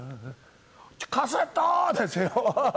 カセットー！ですよ。